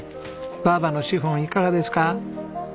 ばぁばのシフォンいかがですか？